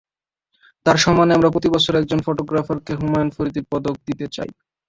তাঁর সম্মানে আমরা প্রতিবছর একজন ফটোগ্রাফারকে হুমায়ুন ফরীদি পদক দিতে চাই।